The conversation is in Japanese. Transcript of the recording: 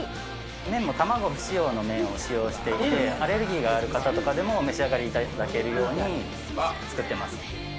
麺も卵不使用の麺を使用していて、アレルギーがある方とかでもお召し上がりいただけるように作ってます。